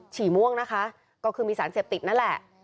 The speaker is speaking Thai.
ฉี่ม่วงนะคะก็คือมีสารเสพติดนั่นแหละ